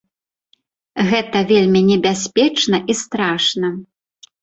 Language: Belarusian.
Гэта вельмі небяспечна і страшна.